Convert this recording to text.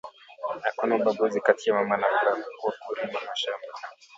Akuna ubaguzi kati ya mama na baba kwaku rima mashamba